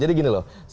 jadi gini loh